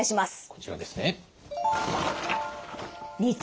こちらですね。